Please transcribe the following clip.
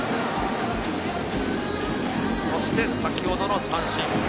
そして先ほどの三振。